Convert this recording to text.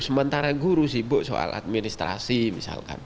sementara guru sibuk soal administrasi misalkan